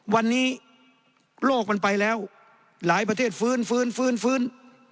วันนี้โลกมันไปแล้วหลายประเทศฟื้นฟื้นฟื้นฟื้นฟื้น